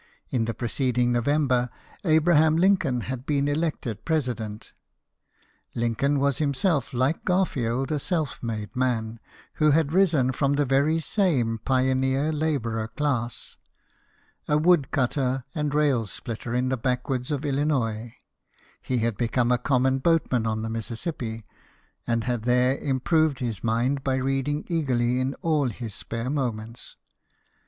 In the preceding November, Abra ham Lincoln had been elected President. Lin coln was himself, like Garfield, a self made man, who had risen from the very same pioneer labourer class ; a wood cutter and rail splitter in t le badcwoods of Illinois, he had become a common boatman on the Mississippi, and had there improved his mind by reading eagerly in all his spare moments.